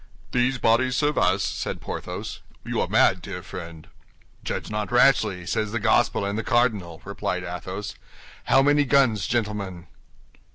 "These bodies serve us?" said Porthos. "You are mad, dear friend." "Judge not rashly, say the gospel and the cardinal," replied Athos. "How many guns, gentlemen?"